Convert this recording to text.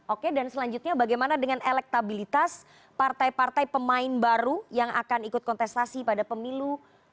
oke dan selanjutnya bagaimana dengan elektabilitas partai partai pemain baru yang akan ikut kontestasi pada pemilu dua ribu dua puluh